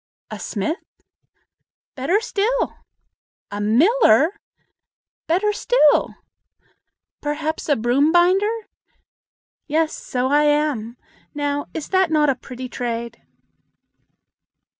"A smith?" "Better still!" "A miller?" "Better still!" "Perhaps a broom binder?" "Yes, so I am; now, is not that a pretty trade?"